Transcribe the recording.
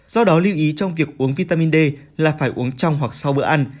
do đó lưu ý trong việc uống vitamin d là phải uống trong hoặc sau bữa ăn